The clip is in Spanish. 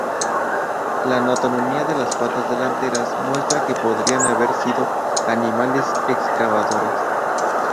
La anatomía de las patas delanteras muestra que podrían haber sido animales excavadores.